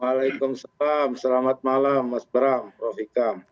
waalaikumsalam selamat malam mas bram prof hikam